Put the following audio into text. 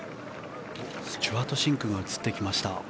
スチュワート・シンクが映ってきました。